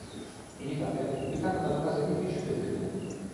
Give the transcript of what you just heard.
In Italia è pubblicata dalla casa editrice Feltrinelli.